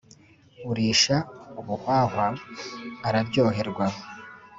urisha ubuhwahwa araryoherwa